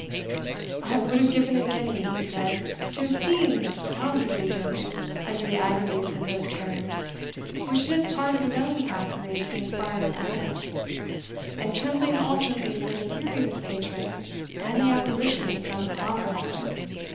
"I would have given a guinea," he said, "to have seen the scoundrelly German under the agonies of those terrors, which it is part of his own quackery to inspire into others; and trembling alternately for the fury of his patron, and the apparition of some hobgoblin."